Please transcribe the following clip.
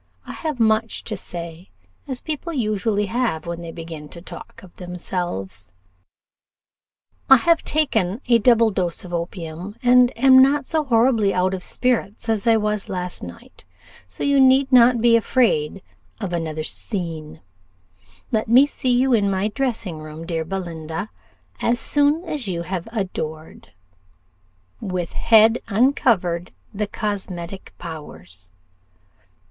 I have much to say, as people usually have when they begin to talk of themselves. "I have taken a double dose of opium, and am not so horribly out of spirits as I was last night; so you need not be afraid of another scene. "Let me see you in my dressing room, dear Belinda, as soon as you have adored 'With head uncover'd the cosmetic powers.